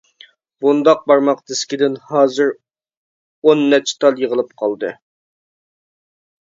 بۇنداق بارماق دىسكىدىن ھازىر ئو نەچچە تال يىغىلىپ قالدى.